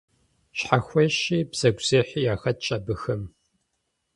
Щхьэхуещи бзэгузехьи яхэтщ абыхэм.